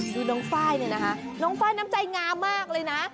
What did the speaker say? ดูน้องไฟล์เนี่ยนะคะน้องไฟล์น้ำใจงามมากเลยนะ